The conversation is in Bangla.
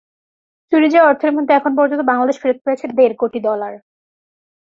চুরি যাওয়া অর্থের মধ্যে এখন পর্যন্ত বাংলাদেশ ফেরত পেয়েছে দেড় কোটি ডলার।